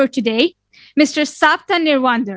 untuk hari ini pak safda nirwander